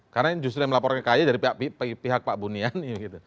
karena justru melaporkan ke kaye dari pihak pak bunian